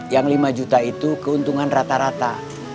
yang lima juta itu keuntungan rata rata